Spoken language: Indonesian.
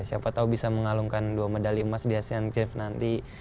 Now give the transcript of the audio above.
siapa tahu bisa mengalungkan dua medali emas di asean games nanti